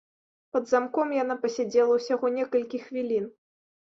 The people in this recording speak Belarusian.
Пад замком яна пасядзела ўсяго некалькі хвілін.